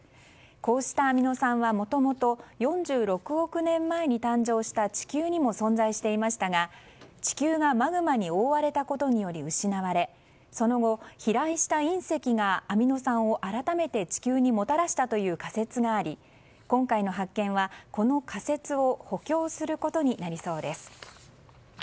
こうしたアミノ酸はもともと４６億年前に誕生した地球にも存在していましたが地球がマグマに覆われたことにより失われその後、飛来した隕石がアミノ酸を改めて地球にもたらしたという仮説があり今回の発見は、この仮説を補強することになりそうです。